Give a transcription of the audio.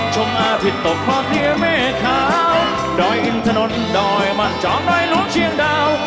ชมอาทิตย์ตกครอบเฮียแม่ขาวด้อยอินทะนท์ด้อยมันจอมด้อยหลวงเชียงดาว